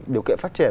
điều kiện phát triển